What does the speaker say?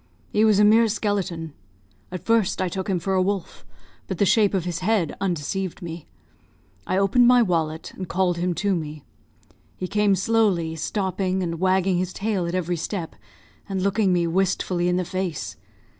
He was a mere skeleton. At first I took him for a wolf, but the shape of his head undeceived me. I opened my wallet, and called him to me. He came slowly, stopping and wagging his tail at every step, and looking me wistfully in the face.